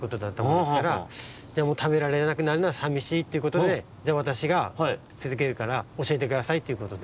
でもうたべられなくなるのはさみしいっていうことででわたしがつづけるからおしえてくださいっていうことで。